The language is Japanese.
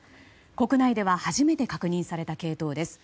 国内では初めて確認された系統です。